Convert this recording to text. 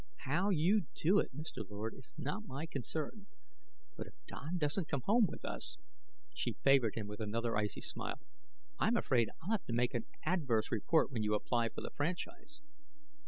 "How you do it, Mr. Lord, is not my concern. But if Don doesn't go home with us " She favored him with another icy smile. "I'm afraid I'll have to make an adverse report when you apply for the franchise."